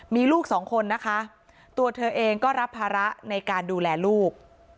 มีลูกสองคนนะคะตัวเธอเองก็รับภาระในการดูแลลูก